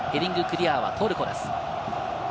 ヘディングクリアはトルコです。